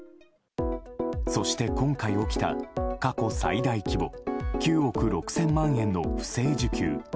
そして、今回起きた過去最大規模９億６０００万円の不正受給。